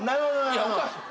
いやおかしい。